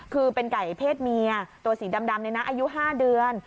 คือเป็นไก่เพศเมียตัวสีดำดำเนี้ยนะอายุห้าเดือน